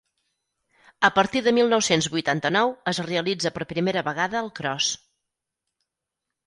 A partir de mil nou-cents vuitanta-nou es realitza per primera vegada el cros.